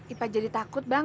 ipah jadi takut bang